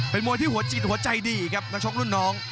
เป็นมวยที่หัวจิตหัวใจดีครับนักชกรุ่นน้อง